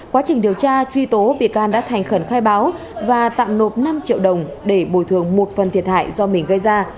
quá trình điều tra truy tố bị can đã thành khẩn khai báo và tạm nộp năm triệu đồng để bồi thường một phần thiệt hại do mình gây ra